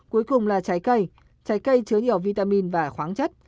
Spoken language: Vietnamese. cuối cùng là trái cây trái cây chứa nhiều vitamin và khoáng chất